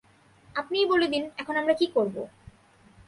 আপনিই বলে দিন, এখন আমরা কি করব?